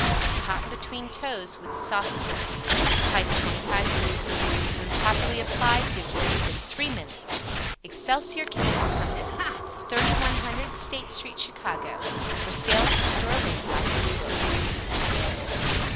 Put cotton between toes when soft corns. PRICE 25 CENTS When Properly Applied, Gives Relief in 3 Minutes. EXCELSIOR CHEMICAL COMPANY, 3100 State Street, Chicago. For Sale at the Store where you got this book.